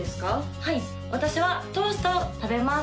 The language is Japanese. はい私はトーストを食べます